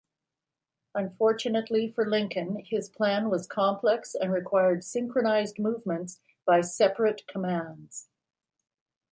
Unfortunately for Lincoln, his plan was complex and required synchronized movements by separate commands.